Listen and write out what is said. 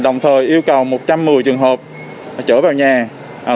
đồng thời yêu cầu một trăm một mươi trường hợp trở vào nhà